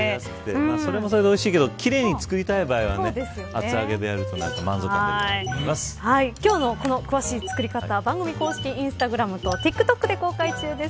それもそれでおいしいけど奇麗に作りたい場合は厚揚げでやると今日の詳しい作り方は番組公式インスタグラムとＴｉｋＴｏｋで公開中です。